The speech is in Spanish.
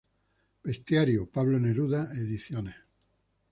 Bestiario- Pablo Neruda Ed.